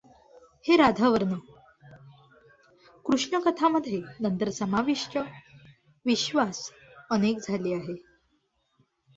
हे राधा वर्ण कृष्ण कथा मध्ये नंतर समाविष्ट विश्वास अनेक झाली आहे.